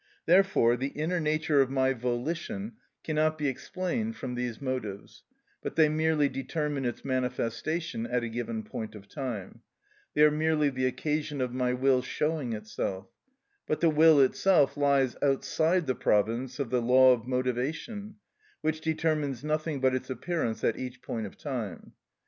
Therefore the inner nature of my volition cannot be explained from these motives; but they merely determine its manifestation at a given point of time: they are merely the occasion of my will showing itself; but the will itself lies outside the province of the law of motivation, which determines nothing but its appearance at each point of time.